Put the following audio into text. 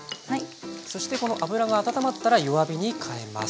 そしてこの油が温まったら弱火に変えます。